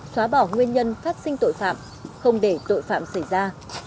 xóa bỏ nguyên nhân phát sinh tội phạm không để tội phạm xảy ra